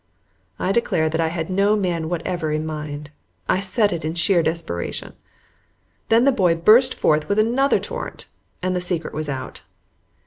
I declare that I had no man whatever in mind. I said it in sheer desperation. Then the boy burst forth with another torrent, and the secret was out.